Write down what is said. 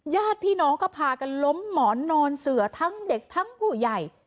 ญาติพี่น้องก็พากันล้มหมอนนอนเสือทั้งเด็กทั้งผู้ใหญ่